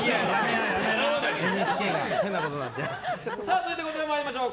続いてこちら参りましょう。